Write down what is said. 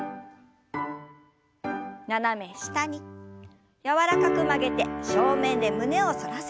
斜め下に柔らかく曲げて正面で胸を反らせます。